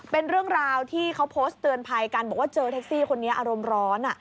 เป็นเรื่องราวที่เขาโพสต์เตือนภัยกันบอกว่าเจอแท็กซี่คนนี้อารมณ์ร้อน